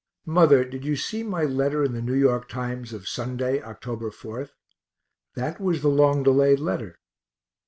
Mother, did you see my letter in the N. Y. Times of Sunday, Oct. 4? That was the long delayed letter.